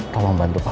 tolong bantu papa ya